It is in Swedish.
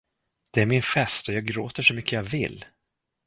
Det är min fest och jag gråter så mycket jag vill!